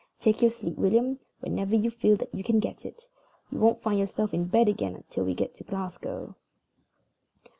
"Take your sleep, William, whenever you feel that you can get it. You won't find yourself in bed again till we get to Glasgow."